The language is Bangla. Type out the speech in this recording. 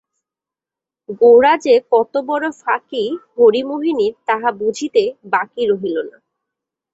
গোরা যে কতবড়ো ফাঁকি হরিমোহিনীর তাহা বুঝিতে বাকি রহিল না।